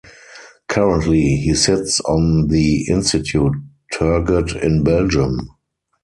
Currently, he sits on the Institute Turgot in Belgium.